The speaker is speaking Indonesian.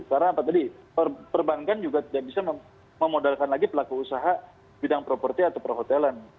karena apa tadi perbankan juga nggak bisa memodalkan lagi pelaku usaha bidang properti atau perhotelan